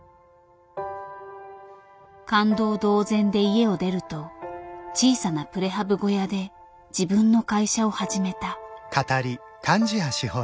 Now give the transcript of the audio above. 勘当同然で家を出ると小さなプレハブ小屋で自分の会社を始めた。